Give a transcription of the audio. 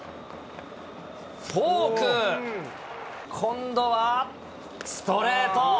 フォーク、今度はストレート。